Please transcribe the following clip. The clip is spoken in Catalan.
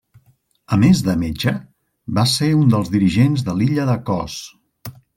A més de metge, va ser un dels dirigents de l'illa de Cos.